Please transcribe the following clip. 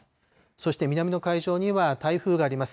そして南の海上には台風があります。